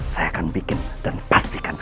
saya akan bikin dan pastikan